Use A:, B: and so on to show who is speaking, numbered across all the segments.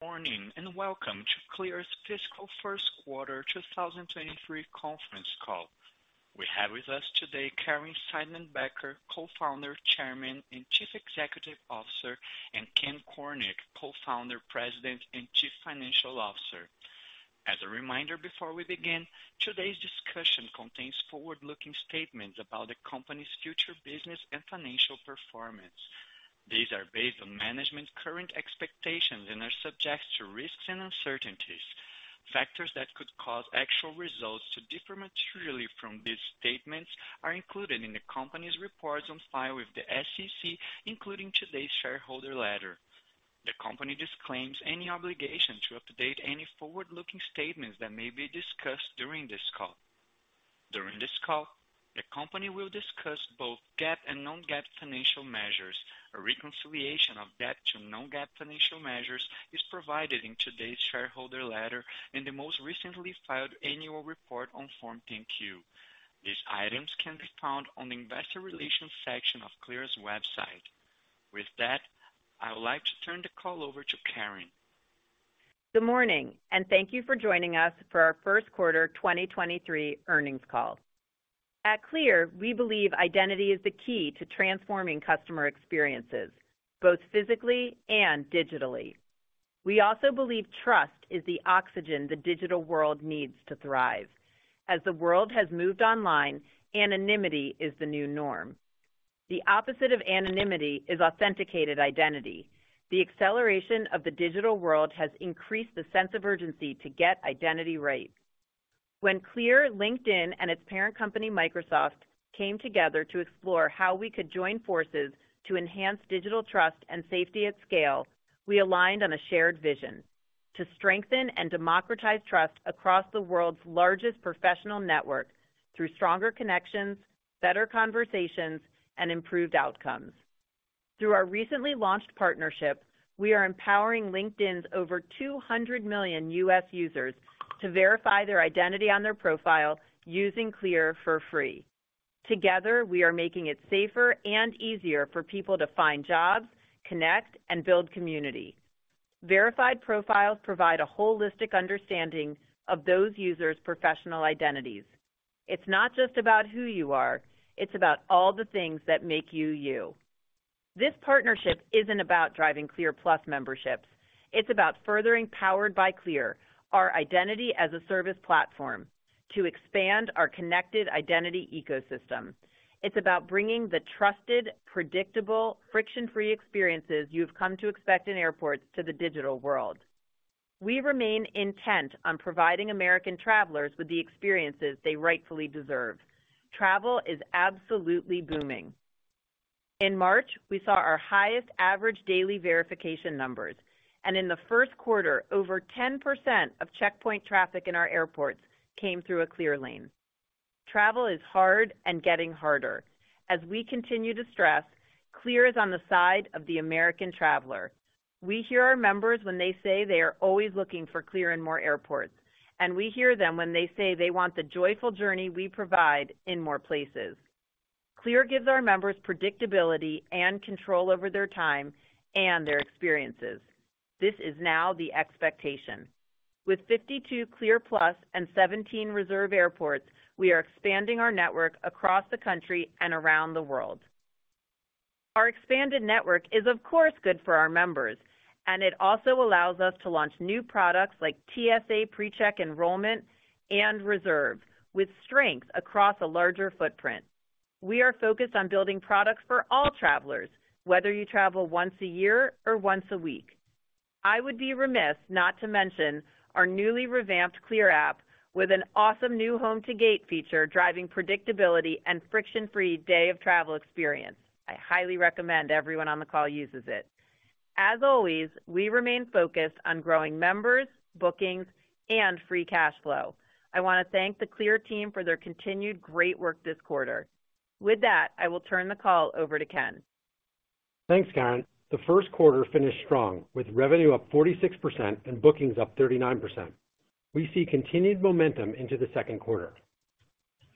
A: Morning, and welcome to Clear's Fiscal First Quarter 2023 Conference Call. We have with us today Caryn Seidman-Becker, Co-Founder, Chairman, and Chief Executive Officer, and Ken Cornick, Co-Founder, President, and Chief Financial Officer. As a reminder before we begin, today's discussion contains forward-looking statements about the company's future business and financial performance. These are based on management's current expectations and are subject to risks and uncertainties. Factors that could cause actual results to differ materially from these statements are included in the company's reports on file with the SEC, including today's shareholder letter. The company disclaims any obligation to update any forward-looking statements that may be discussed during this call. During this call, the company will discuss both GAAP and non-GAAP financial measures. A reconciliation of that to non-GAAP financial measures is provided in today's shareholder letter in the most recently filed annual report on Form 10-Q. These items can be found on the investor relations section of Clear's website. With that, I would like to turn the call over to Caryn.
B: Good morning, thank you for joining us for our first quarter 2023 earnings call. At Clear, we believe identity is the key to transforming customer experiences, both physically and digitally. We also believe trust is the oxygen the digital world needs to thrive. As the world has moved online, anonymity is the new norm. The opposite of anonymity is authenticated identity. The acceleration of the digital world has increased the sense of urgency to get identity right. When Clear, LinkedIn, and its parent company, Microsoft, came together to explore how we could join forces to enhance digital trust and safety at scale, we aligned on a shared vision to strengthen and democratize trust across the world's largest professional network through stronger connections, better conversations, and improved outcomes. Through our recently launched partnership, we are empowering LinkedIn's over 200 million US users to verify their identity on their profile using Clear for free. Together, we are making it safer and easier for people to find jobs, connect, and build community. Verified profiles provide a holistic understanding of those users' professional identities. It's not just about who you are, it's about all the things that make you. This partnership isn't about driving Clear+ memberships. It's about furthering Powered by Clear, our Identity as a Service platform to expand our connected identity ecosystem. It's about bringing the trusted, predictable, friction-free experiences you've come to expect in airports to the digital world. We remain intent on providing American travelers with the experiences they rightfully deserve. Travel is absolutely booming. In March, we saw our highest average daily verification numbers, and in the first quarter, over 10% of checkpoint traffic in our airports came through a Clear Lane. Travel is hard and getting harder. As we continue to stress, Clear is on the side of the American traveler. We hear our members when they say they are always looking for Clear in more airports, and we hear them when they say they want the joyful journey we provide in more places. Clear gives our members predictability and control over their time and their experiences. This is now the expectation. With 52 Clear+ and 17 RESERVE airports, we are expanding our network across the country and around the world. Our expanded network is, of course, good for our members. It also allows us to launch new products like TSA PreCheck Enrollment and RESERVE with strength across a larger footprint. We are focused on building products for all travelers, whether you travel once a year or once a week. I would be remiss not to mention our newly revamped Clear app with an awesome new Home to Gate feature driving predictability and friction-free day-of-travel experience. I highly recommend everyone on the call uses it. As always, we remain focused on growing members, bookings, and free cash flow. I wanna thank the Clear team for their continued great work this quarter. With that, I will turn the call over to Ken.
C: Thanks, Caryn. The first quarter finished strong, with revenue up 46% and bookings up 39%. We see continued momentum into the second quarter.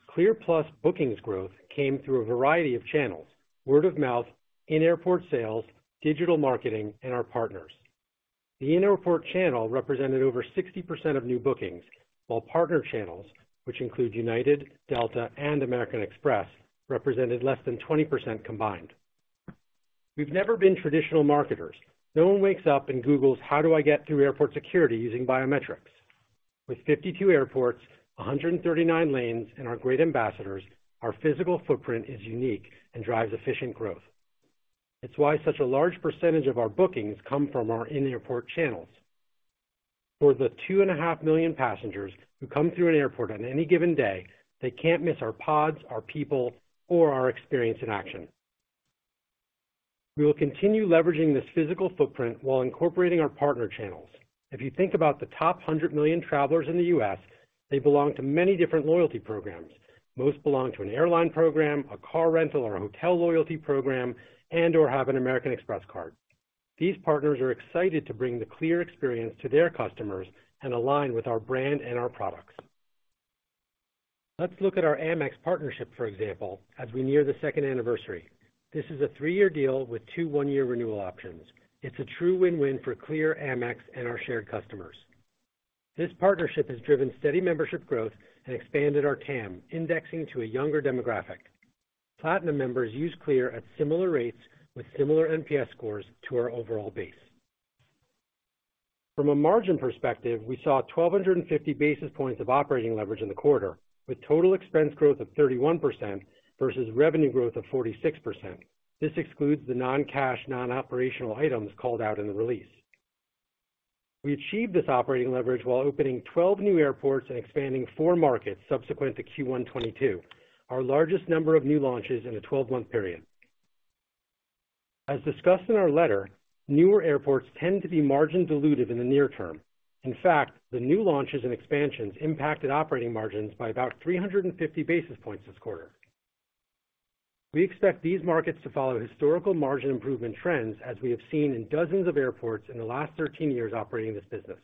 C: Clear Plus bookings growth came through a variety of channels, word of mouth, in-airport sales, digital marketing, and our partners. The in-airport channel represented over 60% of new bookings, while partner channels, which include United, Delta, and American Express, represented less than 20% combined. We've never been traditional marketers. No one wakes up and googles, "How do I get through airport security using biometrics?" With 52 airports, 139 lanes, and our great ambassadors, our physical footprint is unique and drives efficient growth. It's why such a large percentage of our bookings come from our in-airport channels. For the two and a half million passengers who come through an airport on any given day, they can't miss our pods, our people, or our experience in action. We will continue leveraging this physical footprint while incorporating our partner channels. If you think about the top 100 million travelers in the US, they belong to many different loyalty programs. Most belong to an airline program, a car rental, or a hotel loyalty program, and/or have an American Express card. These partners are excited to bring the Clear experience to their customers and align with our brand and our products. Let's look at our Amex partnership, for example, as we near the second anniversary. This is a three-year deal with two one-year renewal options. It's a true win-win for Clear, Amex, and our shared customers. This partnership has driven steady membership growth and expanded our TAM, indexing to a younger demographic. Platinum members use Clear at similar rates with similar NPS scores to our overall base. From a margin perspective, we saw 1,250 basis points of operating leverage in the quarter, with total expense growth of 31% versus revenue growth of 46%. This excludes the non-cash, non-operational items called out in the release. We achieved this operating leverage while opening 12 new airports and expanding four markets subsequent to first quarter 2022, our largest number of new launches in a 12-month period. As discussed in our letter, newer airports tend to be margin dilutive in the near term. In fact, the new launches and expansions impacted operating margins by about 350 basis points this quarter. We expect these markets to follow historical margin improvement trends, as we have seen in dozens of airports in the last 13 years' operating this business.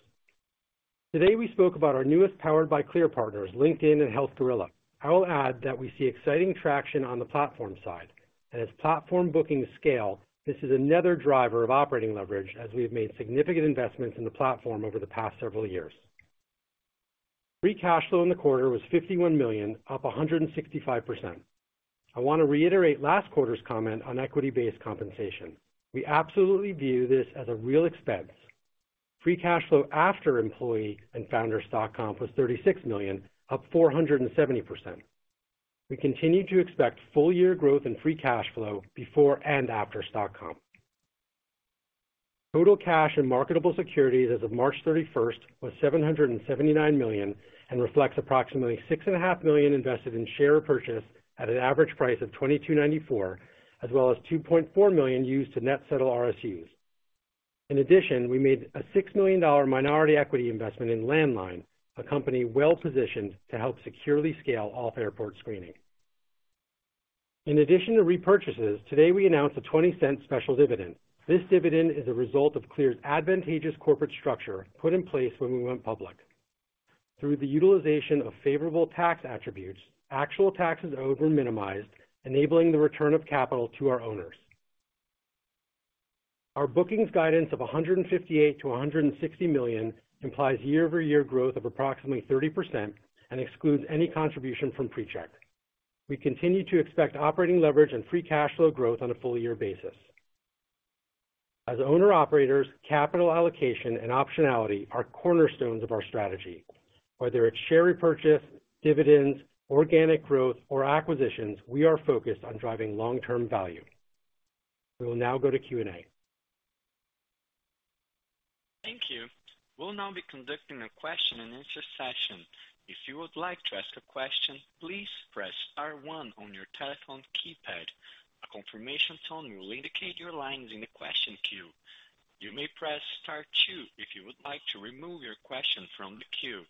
C: Today, we spoke about our newest Powered by Clear partners, LinkedIn and Health Gorilla. I will add that we see exciting traction on the platform side. As platform bookings scale, this is another driver of operating leverage as we have made significant investments in the platform over the past several years. Free cash flow in the quarter was $51 million, up 165%. I wanna reiterate last quarter's comment on equity-based compensation. We absolutely view this as a real expense. Free cash flow after employee and founder stock comp was $36 million, up 470%. We continue to expect full-year growth in free cash flow before and after stock comp. Total cash and marketable securities as of 31 March 2023 was $779 million and reflects approximately six and a half million invested in share purchase at an average price of $22.94, as well as $2.4 million used to net settle RSUs. In addition, we made a $6 million minority equity investment in Landline, a company well positioned to help securely scale off-airport screening. In addition to repurchases, today we announced a $0.20 special dividend. This dividend is a result of Clear's advantageous corporate structure put in place when we went public. Through the utilization of favorable tax attributes, actual taxes are overminimized, enabling the return of capital to our owners. Our bookings guidance of $158 to 160 million implies year-over-year growth of approximately 30% and excludes any contribution from PreCheck. We continue to expect operating leverage and free cash flow growth on a full-year basis. As owner-operators, capital allocation and optionality are cornerstones of our strategy. Whether it's share repurchase, dividends, organic growth or acquisitions, we are focused on driving long-term value. We will now go to Q&A.
A: Thank you. We'll now be conducting a question-and-answer session. If you would like to ask a question, please press star one on your telephone keypad. A confirmation tone will indicate your line is in the question queue. You may press star two if you would like to remove your question from the queue.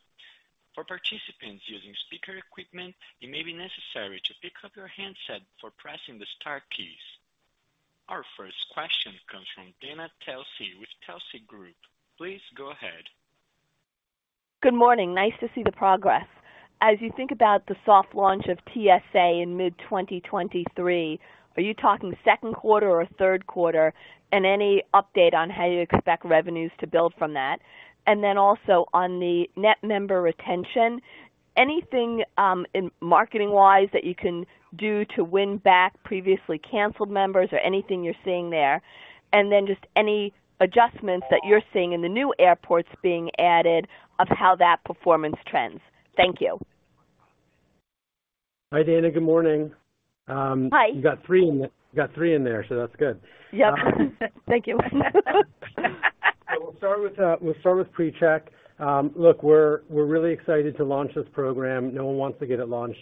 A: For participants using speaker equipment, it may be necessary to pick up your handset for pressing the star keys. Our first question comes from Dana Telsey with Telsey Group. Please go ahead.
D: Good morning. Nice to see the progress. As you think about the soft launch of TSA in mid 2023, are you talking second quarter or third quarter? Any update on how you expect revenues to build from that? Also on the net member retention, anything in marketing-wise that you can do to win back previously canceled members or anything you're seeing there? Just any adjustments that you're seeing in the new airports being added of how that performance trends. Thank you.
C: Hi, Dana. Good morning.
D: Hi.
C: You got three in there, so that's good.
D: Yep. Thank you.
C: We'll start with PreCheck. Look, we're really excited to launch this program. No one wants to get it launched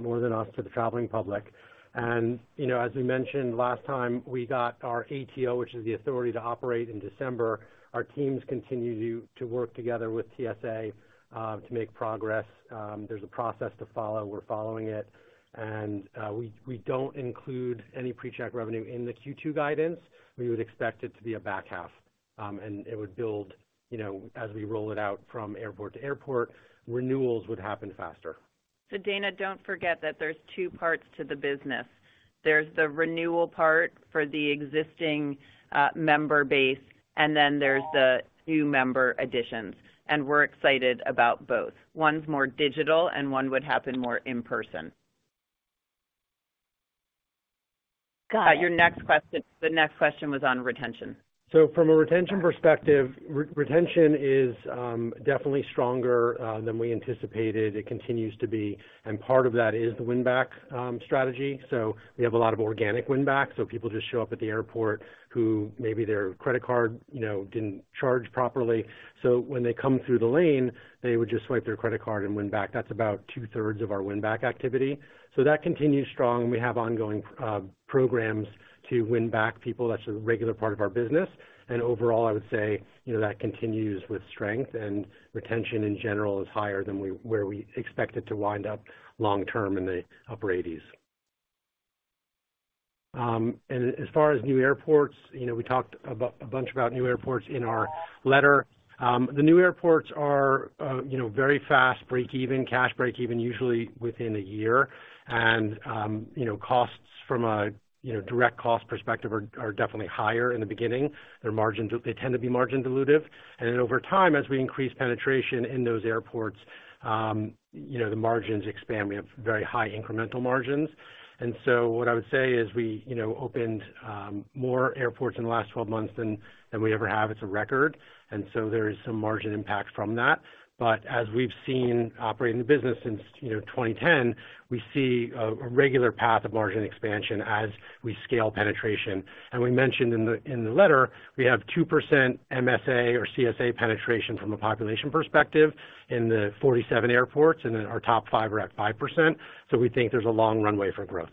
C: more than us to the traveling public. You know, as we mentioned last time, we got our ATO, which is the authority to operate in December. Our teams continue to work together with TSA to make progress. There's a process to follow. We're following it. We don't include any PreCheck revenue in the second quarter guidance. We would expect it to be a back half, and it would build, you know, as we roll it out from airport to airport, renewals would happen faster.
B: Dana, don't forget that there's two parts to the business. There's the renewal part for the existing member base, and then there's the new member additions. We're excited about both. One's more digital and one would happen more in person.
D: Got it. The next question was on retention.
C: From a retention perspective, re-retention is definitely stronger than we anticipated. It continues to be, and part of that is the win-back strategy. We have a lot of organic win-back, so people just show up at the airport who maybe their credit card, you know, didn't charge properly. When they come through the lane, they would just swipe their credit card and win back. That's about 2/3 of our win-back activity. That continues strong, and we have ongoing programs to win back people. That's a regular part of our business. Overall, I would say, you know, that continues with strength, and retention in general is higher than where we expect it to wind up long term in the upper 80s. As far as new airports, you know, we talked a bunch about new airports in our letter. The new airports are very fast break even, cash break even usually within a year. Costs from a direct cost perspective are definitely higher in the beginning. They tend to be margin dilutive. Over time, as we increase penetration in those airports, the margins expand. We have very high incremental margins. What I would say is we opened more airports in the last 12 months than we ever have. It's a record. There is some margin impact from that. As we've seen operating the business since 2010, we see a regular path of margin expansion as we scale penetration. We mentioned in the, in the letter, we have 2% MSA or CSA penetration from a population perspective in the 47 airports. Our top five are at 5%. We think there's a long runway for growth.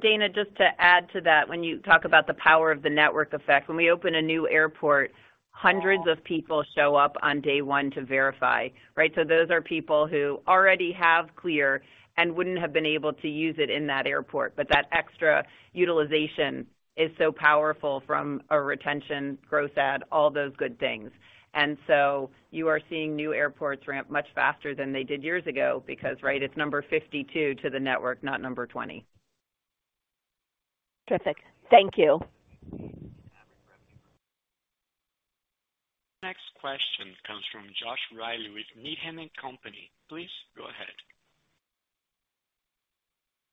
B: Dana, just to add to that, when you talk about the power of the network effect, when we open a new airport, hundreds of people show up on day one to verify, right? Those are people who already have Clear and wouldn't have been able to use it in that airport. That extra utilization is so powerful from a retention, gross add, all those good things. You are seeing new airports ramp much faster than they did years ago because, right, it's number 52 to the network, not number 20.
D: Terrific. Thank you.
A: Next question comes from Joshua Reilly with Needham & Company. Please go ahead.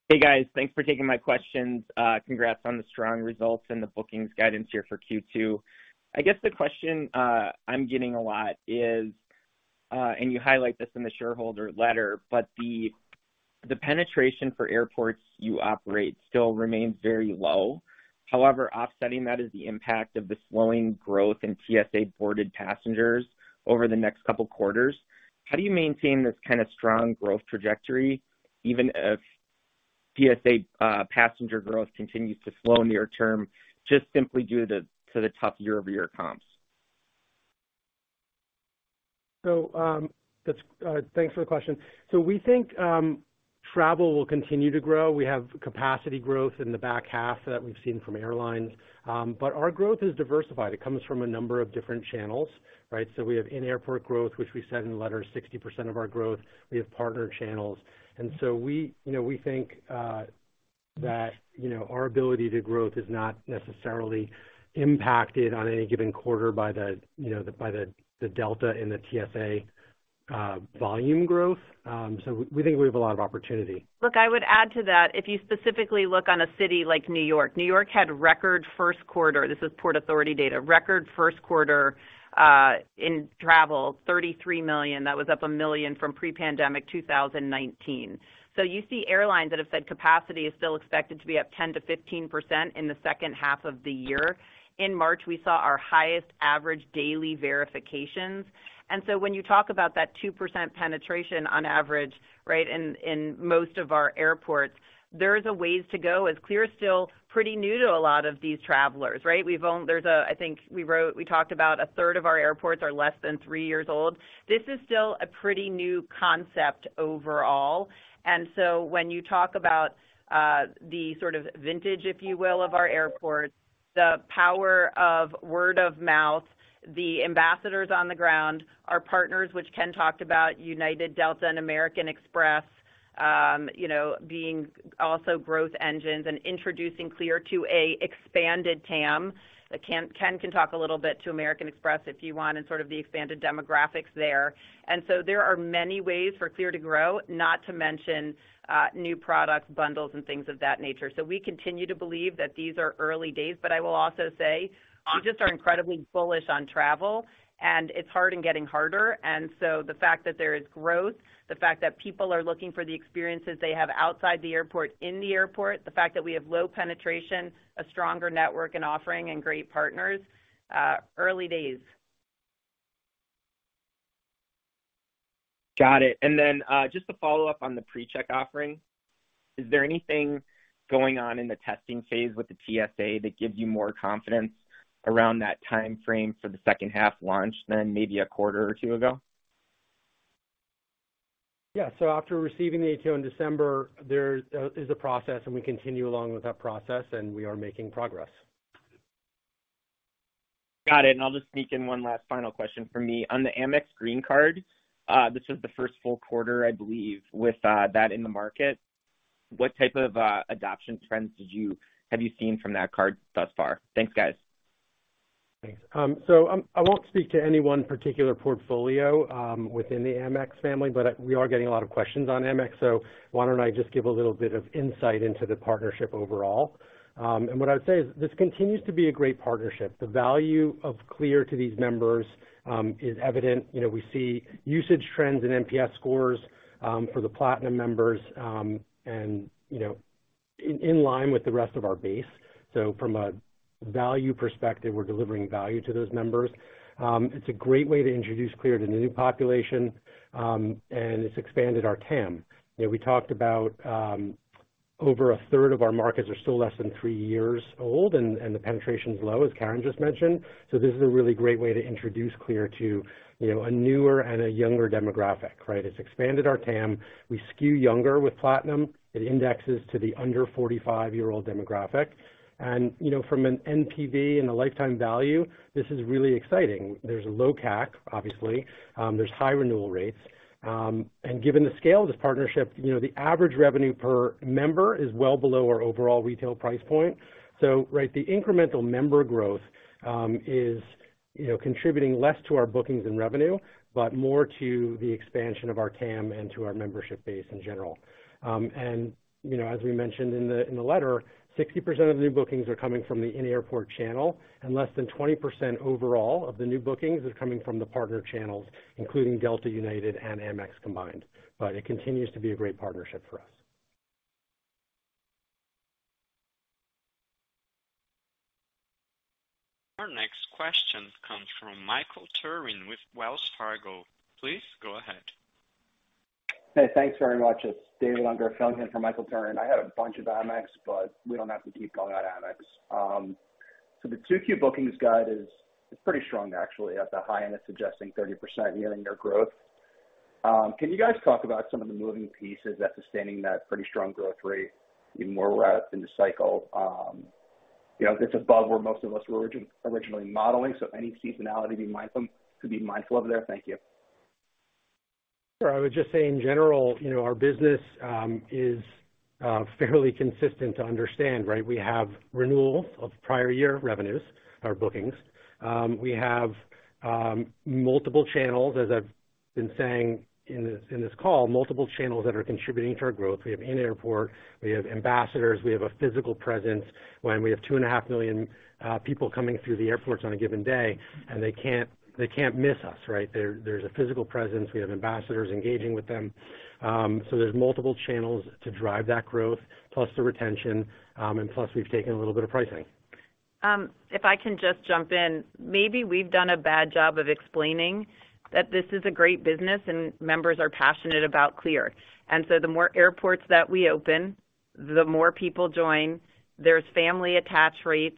E: Hey, guys. Thanks for taking my questions. Congrats on the strong results and the bookings guidance here for second quarter. I guess the question I'm getting a lot is, and you highlight this in the shareholder letter, but the penetration for airports you operate still remains very low. However, offsetting that is the impact of the slowing growth in TSA-boarded passengers over the next couple quarters. How do you maintain this, kind of, strong growth trajectory, even if TSA passenger growth continues to slow near term, just simply due to the tough year-over-year comps?
C: Thanks for the question. We think travel will continue to grow. We have capacity growth in the back half that we've seen from airlines, but our growth is diversified. It comes from a number of different channels, right? We have in-airport growth, which we said in the letter, 60% of our growth. We have partner channels. We, you know, we think that, you know, our ability to growth is not necessarily impacted on any given quarter by the, you know, by the delta in the TSA volume growth. We think we have a lot of opportunity.
B: I would add to that, if you specifically look on a city like New York, New York had record first quarter, this is Port Authority data, record first quarter in travel, 33 million. That was up 1 million from pre-pandemic, 2019. You see airlines that have said capacity is still expected to be up 10% to 15% in the second half of the year. In March, we saw our highest average daily verifications. When you talk about that 2% penetration on average, right, in most of our airports, there is a ways to go as Clear is still pretty new to a lot of these travelers, right? There's a, I think we wrote, we talked about a third of our airports are less than three years old. This is still a pretty new concept overall. When you talk about the sort of vintage, if you will, of our airports, the power of word of mouth, the ambassadors on the ground, our partners, which Ken talked about, United, Delta, and American Express, you know, being also growth engines and introducing Clear to a expanded TAM. Ken can talk a little bit to American Express, if you want, and sort of the expanded demographics there. There are many ways for Clear to grow, not to mention new products, bundles, and things of that nature. We continue to believe that these are early days, but I will also say we just are incredibly bullish on travel, and it's hard and getting harder. The fact that there is growth, the fact that people are looking for the experiences they have outside the airport, in the airport, the fact that we have low penetration, a stronger network and offering and great partners, early days.
E: Got it. Then, just to follow up on the PreCheck offering, is there anything going on in the testing phase with the TSA that gives you more confidence around that timeframe for the second half launch than maybe a quarter or two ago?
C: Yeah. After receiving the ATO in December, there is a process, and we continue along with that process, and we are making progress.
E: Got it. I'll just sneak in one last final question from me. On the Amex Green card, this was the first full quarter, I believe, with that in the market. What type of adoption trends have you seen from that card thus far? Thanks, guys.
C: Thanks. I won't speak to any one particular portfolio within the Amex family, but we are getting a lot of questions on Amex, why don't I just give a little bit of insight into the partnership overall. What I'd say is this continues to be a great partnership. The value of Clear to these members is evident. You know, we see usage trends and NPS scores for the Platinum members, you know, in line with the rest of our base. From a value perspective, we're delivering value to those members. It's a great way to introduce Clear to new population, it's expanded our TAM. You know, we talked about, over a third of our markets are still less than three years old, and the penetration is low, as Caryn just mentioned. This is a really great way to introduce Clear to, you know, a newer and a younger demographic, right? It's expanded our TAM. We skew younger with Platinum. It indexes to the under 45-year-old demographic. You know, from an NPV and a lifetime value, this is really exciting. There's low CAC, obviously. There's high renewal rates. Given the scale of this partnership, you know, the average revenue per member is well below our overall retail price point. Right, the incremental member growth is, you know, contributing less to our bookings and revenue, but more to the expansion of our TAM and to our membership base in general. You know, as we mentioned in the, in the letter, 60% of the new bookings are coming from the in-airport channel, and less than 20% overall of the new bookings is coming from the partner channels, including Delta, United, and Amex combined. It continues to be a great partnership for us.
A: Our next question comes from Michael Turrin with Wells Fargo. Please go ahead.
F: Hey, thanks very much. It's David Unger filling in for Michael Turrin. I had a bunch of Amex, but we don't have to keep going on Amex. The second quarter bookings guide is pretty strong, actually, at the high end, it's suggesting 30% year-on-year growth. Can you guys talk about some of the moving pieces that's sustaining that pretty strong growth rate even where we're at in the cycle? You know, it's above where most of us were originally modeling, so any seasonality to be mindful of there? Thank you.
C: Sure. I would just say in general, you know, our business is fairly consistent to understand, right? We have renewals of prior year revenues or bookings. We have multiple channels, as I've been saying in this, in this call, multiple channels that are contributing to our growth. We have in-airport, we have ambassadors, we have a physical presence, when we have 2.5 million people coming through the airports on a given day, and they can't miss us, right? There's a physical presence. We have ambassadors engaging with them. There's multiple channels to drive that growth, plus the retention, and plus we've taken a little bit of pricing.
B: If I can just jump in, maybe we've done a bad job of explaining that this is a great business and members are passionate about Clear. The more airports that we open, the more people join. There's family attach rates.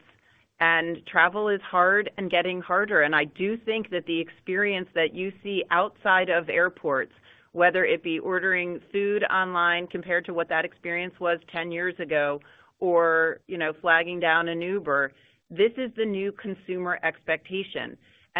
B: Travel is hard and getting harder. I do think that the experience that you see outside of airports, whether it be ordering food online compared to what that experience was 10 years ago, or, you know, flagging down an Uber, this is the new consumer expectation.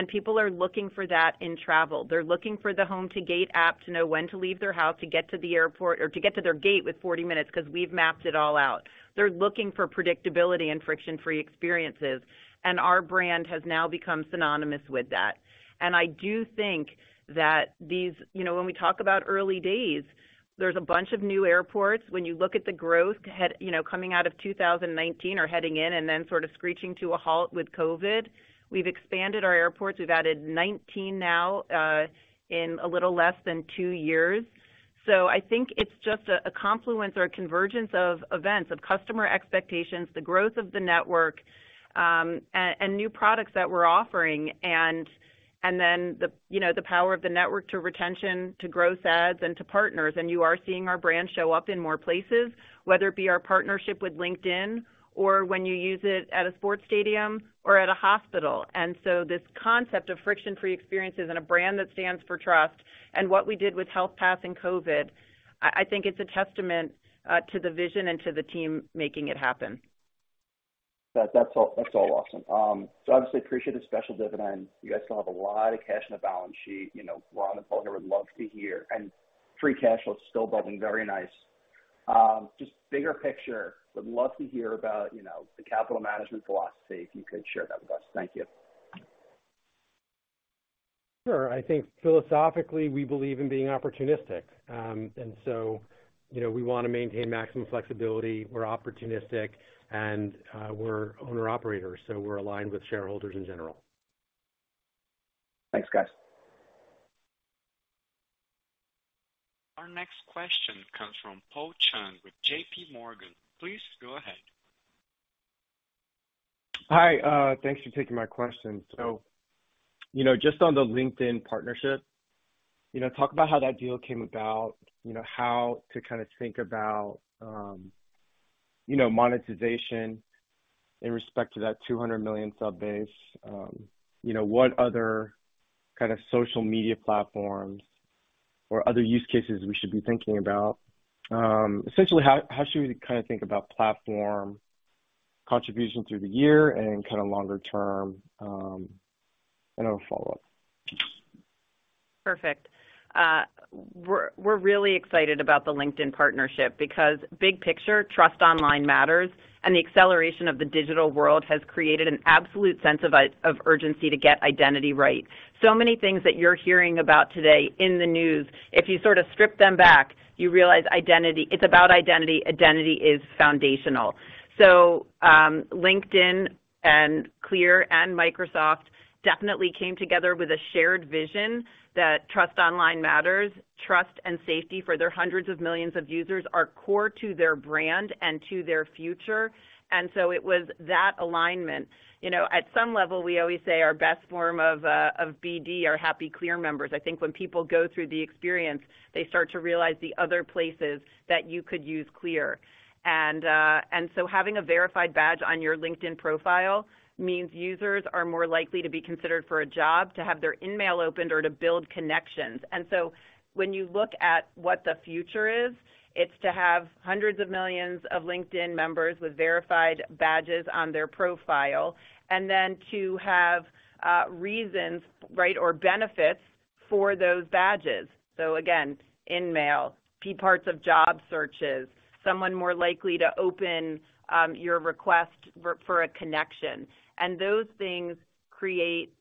B: People are looking for that in travel. They're looking for the Home to Gate app to know when to leave their house to get to the airport or to get to their gate with 40 minutes because we've mapped it all out. They're looking for predictability and friction-free experiences. Our brand has now become synonymous with that. I do think that, you know, when we talk about early days, there's a bunch of new airports. When you look at the growth, had, you know, coming out of 2019 or heading in and then sort of screeching to a halt with COVID, we've expanded our airports. We've added 19 now in a little less than two years. I think it's just a confluence or a convergence of events, of customer expectations, the growth of the network, and new products that we're offering, and then the, you know, the power of the network to retention, to growth ads, and to partners. You are seeing our brand show up in more places, whether it be our partnership with LinkedIn or when you use it at a sports stadium or at a hospital. This concept of friction-free experiences and a brand that stands for trust and what we did with Health Pass and COVID, I think it's a testament to the vision and to the team making it happen.
F: That's all awesome. Obviously appreciate the special dividend. You guys still have a lot of cash in the balance sheet. You know, we're on the call here, would love to hear. Free cash flow is still building, very nice. Just bigger picture would love to hear about, you know, the capital management philosophy, if you could share that with us. Thank you.
C: Sure. I think philosophically, we believe in being opportunistic. You know, we wanna maintain maximum flexibility. We're opportunistic and we're owner-operators, so we're aligned with shareholders in general.
F: Thanks, guys.
A: Our next question comes from Paul Chung with JPMorgan. Please go ahead.
G: Hi, thanks for taking my question. You know, just on the LinkedIn partnership, you know, talk about how that deal came about, you know, how to kinda think about, you know, monetization in respect to that 200 million sub-base. You know, what other kind of social media platforms or other use cases we should be thinking about? Essentially, how should we kind of think about platform contribution through the year and kind of longer term? I'll follow up.
B: Perfect. We're really excited about the LinkedIn partnership because big picture, trust online matters, and the acceleration of the digital world has created an absolute sense of urgency to get identity right. Many things that you're hearing about today in the news, if you sort of strip them back, you realize it's about identity. Identity is foundational. LinkedIn and Clear and Microsoft definitely came together with a shared vision that trust online matters. Trust and safety for their hundreds of millions of users are core to their brand and to their future. It was that alignment. You know, at some level, we always say our best form of BD are happy Clear members. I think when people go through the experience, they start to realize the other places that you could use Clear. Having a verified badge on your LinkedIn profile means users are more likely to be considered for a job, to have their InMail opened or to build connections. When you look at what the future is, it's to have hundreds of millions of LinkedIn members with verified badges on their profile, and then to have reasons, right, or benefits for those badges. Again, InMail, be parts of job searches, someone more likely to open your request for a connection. Those things create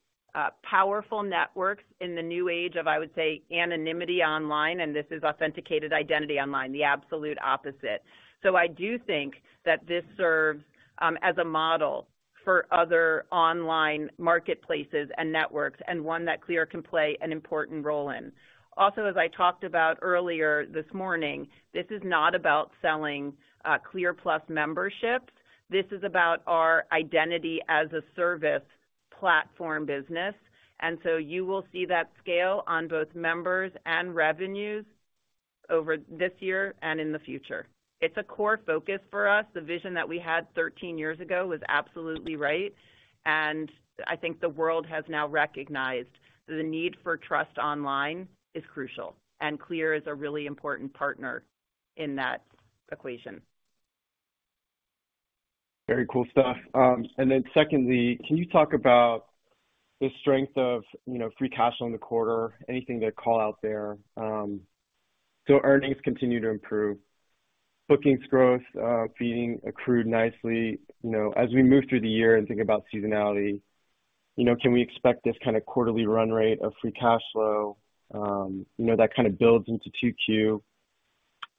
B: powerful networks in the new age of, I would say, anonymity online, and this is authenticated identity online, the absolute opposite. I do think that this serves as a model for other online marketplaces and networks, and one that Clear can play an important role in. Also, as I talked about earlier this morning, this is not about selling, Clear+ memberships. This is about our Identity-as-a-Service platform business. You will see that scale on both members and revenues over this year and in the future. It's a core focus for us. The vision that we had 13 years ago was absolutely right. I think the world has now recognized the need for trust online is crucial. Clear is a really important partner in that equation.
G: Very cool stuff. Secondly, can you talk about the strength of, you know, free cash on the quarter, anything to call out there? Earnings continue to improve. Bookings growth, feeding accrued nicely. You know, as we move through the year and think about seasonality. You know, can we expect this kind of quarterly run rate of free cash flow, you know, that kind of builds into second quarter,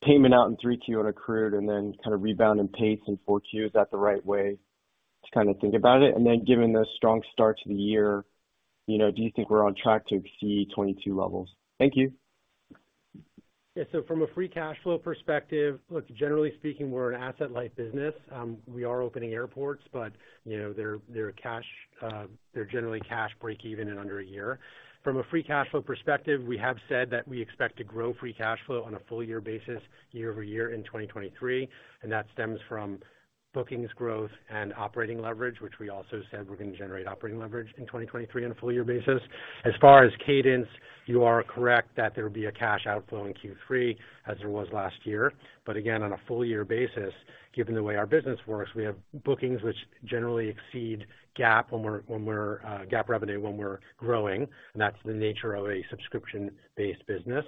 G: payment out in third quarter on accrued and then kind of rebound in pace in fourth quarter? Is that the right way to kind of think about it? Given the strong start to the year, you know, do you think we're on track to exceed 2022 levels? Thank you.
C: Yeah. From a free cash flow perspective, look, generally speaking, we're an asset-light business. We are opening airports, you know, they're generally cash breakeven in under a year. From a free cash flow perspective, we have said that we expect to grow free cash flow on a full year basis year-over-year in 2023, that stems from bookings growth and operating leverage, which we also said we're going to generate operating leverage in 2023 on a full year basis. As far as cadence, you are correct that there will be a cash outflow in third quarter as there was last year. Again, on a full year basis, given the way our business works, we have bookings which generally exceed GAAP when we're GAAP revenue when we're growing, that's the nature of a subscription-based business.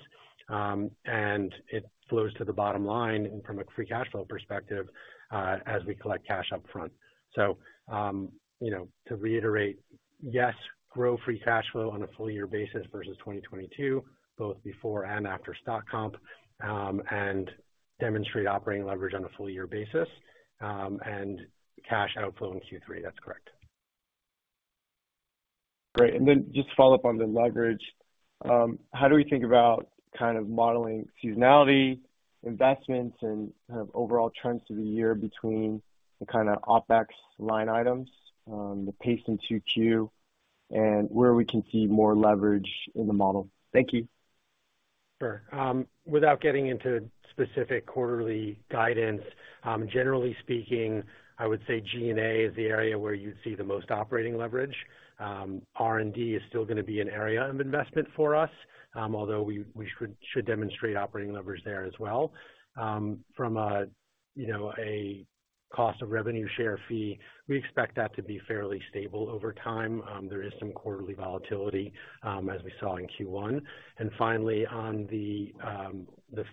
C: It flows to the bottom line and from a free cash flow perspective, as we collect cash upfront. To reiterate, yes, grow free cash flow on a full year basis versus 2022, both before and after stock comp, and demonstrate operating leverage on a full year basis, and cash outflow in third quarter. That's correct.
G: Great. Just to follow up on the leverage, how do we think about kind of modeling seasonality, investments and kind of overall trends through the year between the kinda OpEx line items, the pace in second quarter, and where we can see more leverage in the model? Thank you.
C: Sure. Without getting into specific quarterly guidance, generally speaking, I would say G&A is the area where you'd see the most operating leverage. R&D is still gonna be an area of investment for us, although we should demonstrate operating leverage there as well. From a, you know, a cost of revenue share fee, we expect that to be fairly stable over time. There is some quarterly volatility, as we saw in first quarter. Finally, on the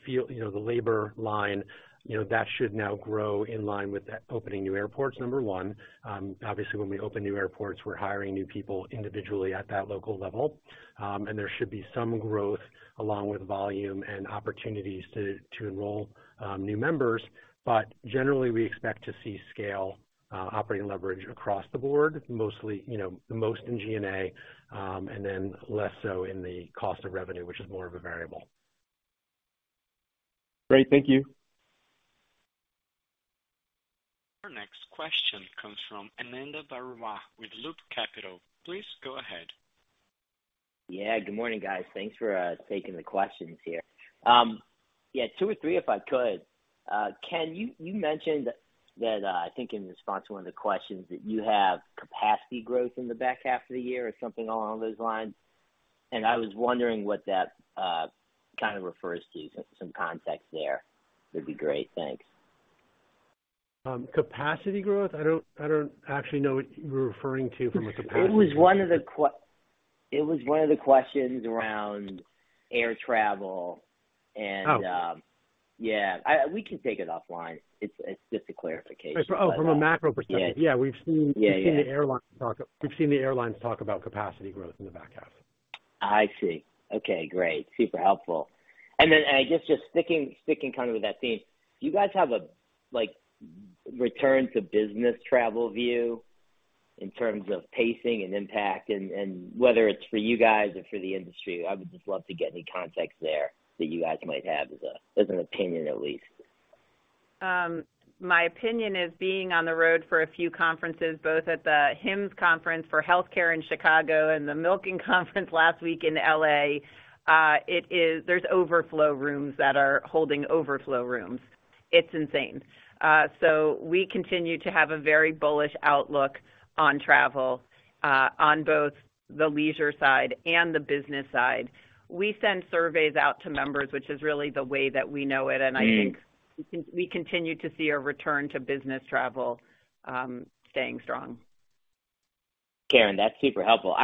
C: field, you know, the labor line, you know, that should now grow in line with opening new airports, number one. Obviously, when we open new airports, we're hiring new people individually at that local level. There should be some growth along with volume and opportunities to enroll, new members. Generally, we expect to see scale, operating leverage across the board, mostly, you know, the most in G&A, and then less so in the cost of revenue, which is more of a variable.
G: Great. Thank you.
A: Our next question comes from Ananda Baruah with Loop Capital. Please go ahead.
H: Yeah. Good morning, guys. Thanks for taking the questions here. Yeah, two or three, if I could. Ken, you mentioned that I think in response to one of the questions, that you have capacity growth in the back half of the year or something along those lines. I was wondering what that kind of refers to. Some context there would be great. Thanks.
C: Capacity growth? I don't actually know what you were referring to...
H: It was one of the questions around air travel.
C: Oh.
H: Yeah. We can take it offline. It's just a clarification.
C: Oh, from a macro perspective.
H: Yeah.
C: Yeah.
H: Yeah.
C: We've seen the airlines talk about capacity growth in the back half.
H: I see. Okay, great. Super helpful. Then, I guess just sticking kind of with that theme, do you guys have a, like, return to business travel view in terms of pacing and impact and whether it's for you guys or for the industry? I would just love to get any context there that you guys might have as an opinion at least.
B: My opinion is being on the road for a few conferences, both at the HIMSS conference for healthcare in Chicago and the Milken Conference last week in LA, there's overflow rooms that are holding overflow rooms. It's insane. We continue to have a very bullish outlook on travel, on both the leisure side and the business side. We send surveys out to members, which is really the way that we know it.
H: Mm-hmm.
B: I think we continue to see a return to business travel, staying strong.
H: Caryn, that's super helpful.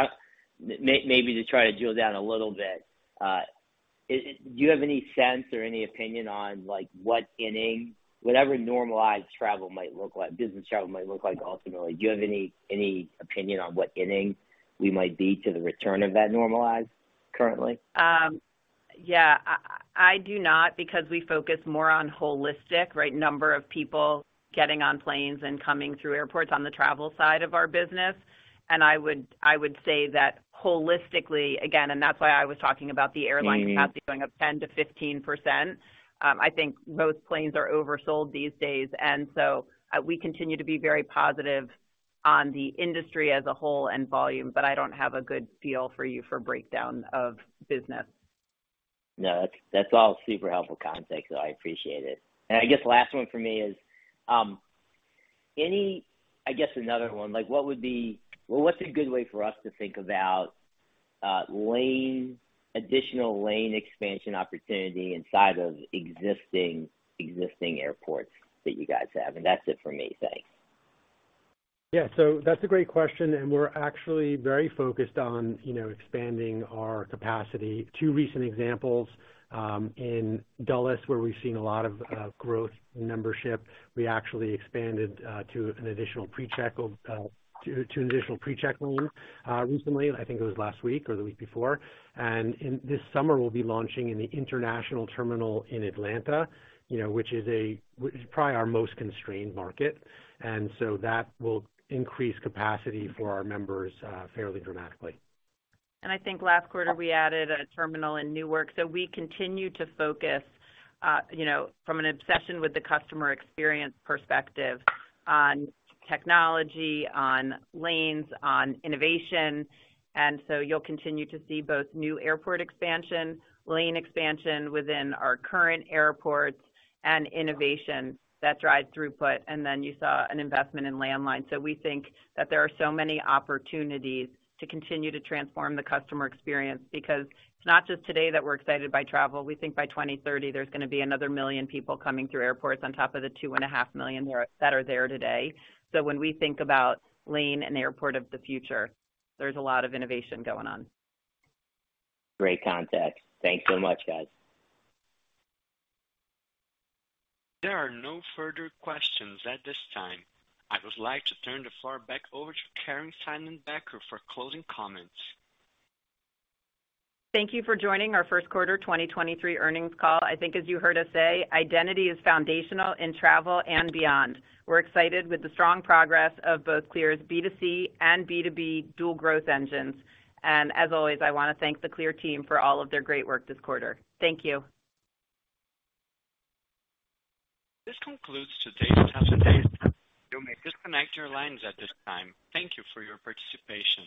H: Maybe to try to drill down a little bit, do you have any sense or any opinion on like what inning, whatever normalized travel might look like, business travel might look like ultimately, do you have any opinion on what inning we might be to the return of that normalized currently?
B: Yeah. I do not because we focus more on holistic, right, number of people getting on planes and coming through airports on the travel side of our business. I would say that holistically, again, and that's why I was talking about.
H: Mm-hmm.
B: Capacity going up 10% to 15%. I think most planes are oversold these days, and so we continue to be very positive on the industry as a whole and volume, but I don't have a good feel for you for breakdown of business.
H: That's all super helpful context, so I appreciate it. I guess last one for me is, I guess another one, like Well, what's a good way for us to think about additional lane expansion opportunity inside of existing airports that you guys have? That's it for me. Thanks.
C: Yeah. That's a great question, and we're actually very focused on, you know, expanding our capacity. Two recent examples, in Dulles, where we've seen a lot of growth in membership, we actually expanded to an additional PreCheck lane recently. I think it was last week or the week before. In this summer, we'll be launching in the international terminal in Atlanta, you know, which is probably our most constrained market. That will increase capacity for our members fairly dramatically.
B: I think last quarter we added a terminal in Newark. We continue to focus, you know, from an obsession with the customer experience perspective on technology, on lanes, on innovation. You'll continue to see both new airport expansion, lane expansion within our current airports and innovation that drives throughput. Then you saw an investment in Landline. We think that there are so many opportunities to continue to transform the customer experience because it's not just today that we're excited by travel. We think by 2030, there's gonna be another 1 million people coming through airports on top of the 2.5 million that are there today. When we think about lane and airport of the future, there's a lot of innovation going on.
H: Great context. Thanks so much, guys.
A: There are no further questions at this time. I would like to turn the floor back over to Caryn Seidman-Becker for closing comments.
B: Thank you for joining our first quarter 2023 earnings call. I think as you heard us say, identity is foundational in travel and beyond. We're excited with the strong progress of both Clear's B2C and B2B dual growth engines. As always, I wanna thank the Clear team for all of their great work this quarter. Thank you.
A: This concludes today's conference. You may disconnect your lines at this time. Thank you for your participation.